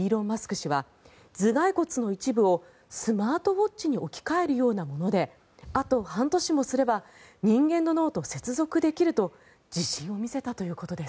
氏は頭がい骨の一部をスマートウォッチに置き換えるようなものであと半年もすれば人間の脳と接続できると自信を見せたということです。